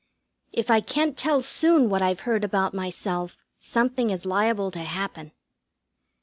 If I can't tell soon what I've heard about myself something is liable to happen.